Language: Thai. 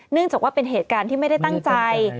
จากว่าเป็นเหตุการณ์ที่ไม่ได้ตั้งใจ